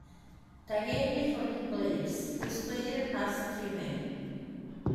The game is for two players; each player has three men.